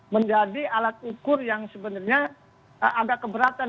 menjadi alat ukur yang sebenarnya agak keberatan